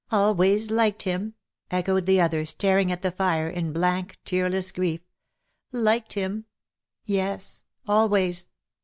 ^'" Always liked him !" echoed the other, staring at the fire, in blank tearless grief; ^' liked him? yes, always."